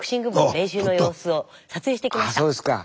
あそうですか。